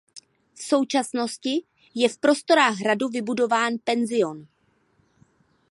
V současnosti je v prostorách hradu vybudován penzion.